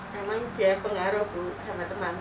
memang dia pengaruh sama teman teman